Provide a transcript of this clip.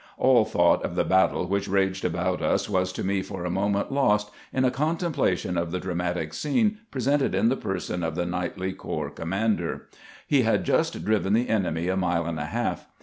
All thought of the battle which raged about us was to me for a moment lost in a contemplation of the dramatic scene presented in the person of the knightly corps commander. He had just driven the enemy a mile and a half.